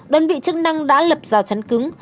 đơn vị chức năng đã lập rào chắn cứng